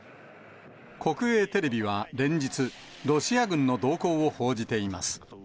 国営テレビは連日、ロシア軍の動向を報じています。